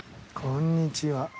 こんにちは。